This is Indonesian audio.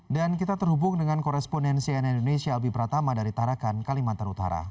dan kita terhubung dengan koresponensi an indonesia albi pratama dari tarakan kalimantan utara